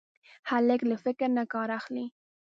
هلک له فکر نه کار اخلي.